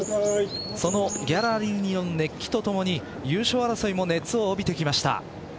そのギャラリーの熱気とともに優勝争いも熱を帯びてきました。